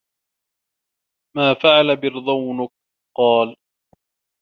مَا فَعَلَ بِرْذَوْنُك ؟ قَالَ